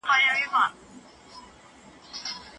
سترېتیژۍ وسلې کاروي.